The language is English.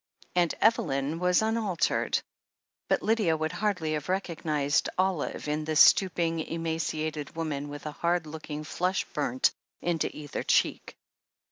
Aunt Evelyn was unaltered, but Lydia would hardly have recognized Olive in the stooping, emaciated woman with a hard looking flush burnt into either cheek.